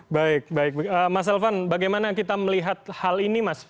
baik baik mas elvan bagaimana kita melihat hal ini mas